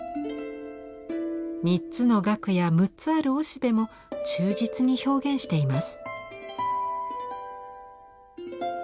３つのガクや６つあるおしべも忠実に表現しています。